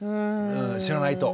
知らないと。